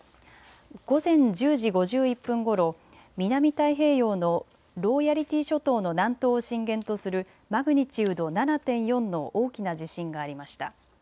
午前１０時５１分ごろ、南太平洋のローヤリティー諸島の南東を震源とするマグニチュード７．４の大きな地震がありました。